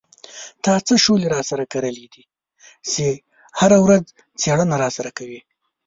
تا څه شولې را سره کرلې دي چې هره ورځ څېړنه را سره کوې.